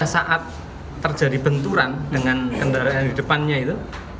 saat terjadi benturan dengan kendaraan yang di depannya itu